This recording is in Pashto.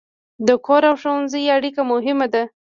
د کور او ښوونځي اړیکه مهمه ده.